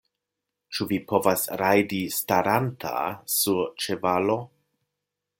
Ĉu vi povas rajdi staranta sur ĉevalo?